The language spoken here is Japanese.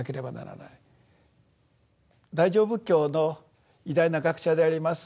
大乗仏教の偉大な学者であります